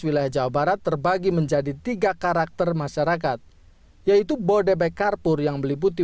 wilayah jawa barat terbagi menjadi tiga karakter masyarakat yaitu bodebekarpur yang meliputi